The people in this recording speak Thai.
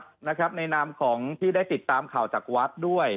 ในนามของที่ได้ติดตามข่าวจากวัดด้วย